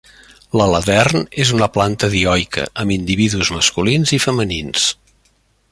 L'aladern és una planta dioica, amb individus masculins i femenins.